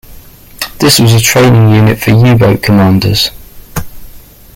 This was a training unit for U-boat commanders.